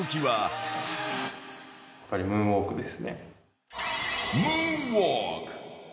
やっぱりムーンウォークです